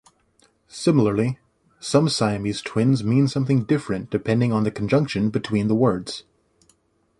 Similarly, some Siamese twins mean something different depending on the conjunction between the words.